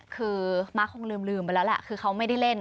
คือมาร์คคงลืมไปแล้วแหละคือเขาไม่ได้เล่น